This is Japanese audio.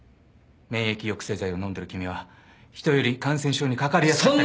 免疫抑制剤を飲んでる君は人より感染症にかかりやすかったり。